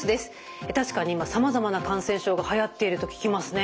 確かに今さまざまな感染症がはやっていると聞きますね。